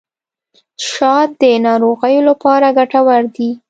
شات د ناروغیو لپاره ګټور دي.